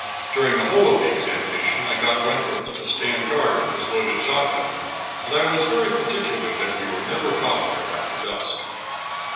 During the whole of the examination, I got Wentworth to stand guard with his loaded shotgun; and I was very particular that we were never caught there after dusk.